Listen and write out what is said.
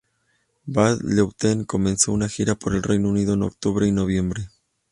Bad Lieutenant comenzó una gira por el Reino Unido en octubre y noviembre.